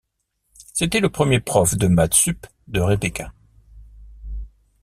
C'était le premier prof de maths sup de Rébecca.